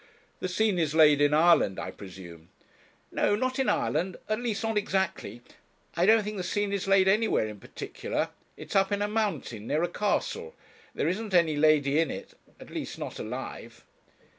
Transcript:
'The scene is laid in Ireland, I presume?' 'No, not in Ireland; at least not exactly. I don't think the scene is laid anywhere in particular; it's up in a mountain, near a castle. There isn't any lady in it at least, not alive.'